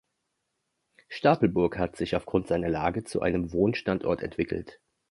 Stapelburg hat sich aufgrund seiner Lage zu einem Wohnstandort entwickelt.